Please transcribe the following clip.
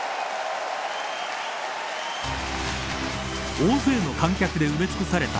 大勢の観客で埋め尽くされた